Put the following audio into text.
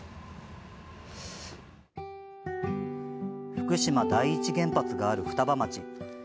福島第一原発がある双葉町。